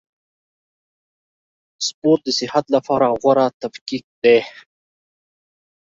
سپورټ د صحت له پاره غوره تفکیک دئ.